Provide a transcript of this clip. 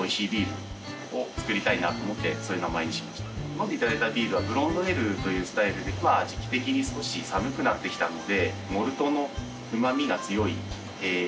飲んでいただいたビールはブロンドエールというスタイルで今時季的に少し寒くなってきたので。